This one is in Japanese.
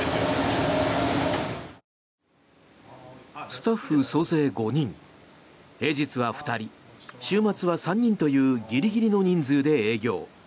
スタッフ総勢５人平日は２人、週末は３人というギリギリの人数で営業。